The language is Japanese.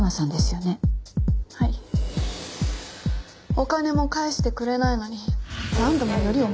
お金も返してくれないのに何度もよりを戻そうって。